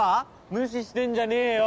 ・無視してんじゃねぇよ。